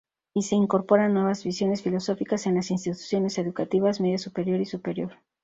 Y se incorporan nuevas visiones filosóficas en las instituciones educativas media superior y superior.